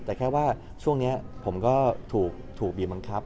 เพราะว่าช่วงนี้ผมก็ถูกบิมังคับ